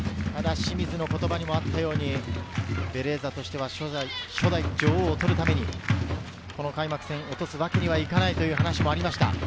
清水の言葉にもあったように、ベレーザとしては、初代女王を取るために、開幕戦、落とすわけにはいかないという話がありました。